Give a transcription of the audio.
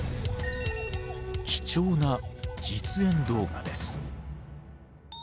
貴重な実演動画です。